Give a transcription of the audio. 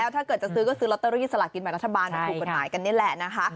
ถ้าเกิดจะซื้อก็ซื้อลอตเตอรี่สลากินแบบรัฐบาลถูกกฎหมายกันนี่แหละนะคะ